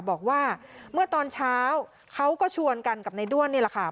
บอกว่าเมื่อตอนเช้าเขาก็ชวนกันกับในด้วนนี่แหละค่ะ